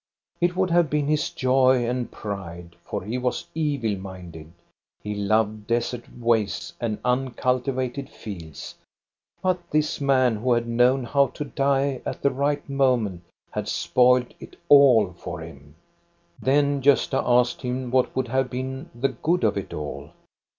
It would have been his joy and pride, for he was evil minded. He loved desert wastes and uncultivated fields. But this man who had known how to die at the right moment had spoiled it all for him. Then Gosta asked him what would have been the good of it all.